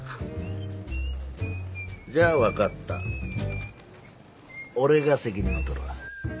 じゃあ分かった俺が責任を取る。